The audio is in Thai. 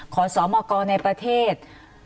ความสอบออกรณ์ในประเทศ